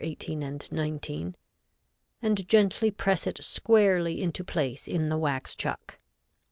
18 and 19, and gently press it squarely into place in the wax chuck.